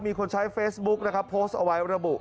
มีคนใช้เฟซบุ๊กนะครับโพสต์เอาไว้ระบุ